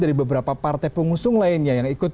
dari beberapa partai pengusung lainnya yang ikut